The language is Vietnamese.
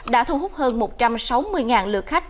đã thu hút hơn một trăm sáu mươi lượt khách